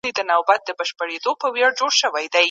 که یې لمبو دي ځالګۍ سوځلي